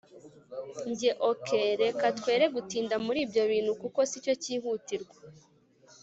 Njye ok reka twere gutinda muri ibyo bintu kuko sicyo cyihutirwa